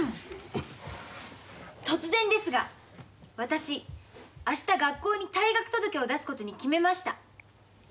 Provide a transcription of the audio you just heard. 突然ですが私、あした学校に退学届けを出すことに決めました。